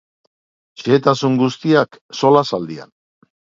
Xehetasun guztiak, solasaldian.